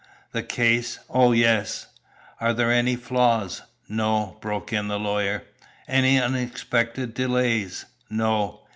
"The case! Oh, yes!" "Are there any flaws?" "No," broke in the lawyer. "Any unexpected delays?" "No."